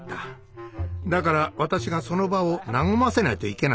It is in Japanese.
だから私がその場を和ませないといけなかったんだ。